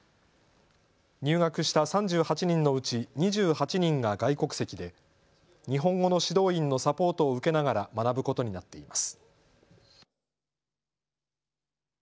入学した３８人のうち２８人が外国籍で日本語の指導員のサポートを受けながら学ぶことになっています。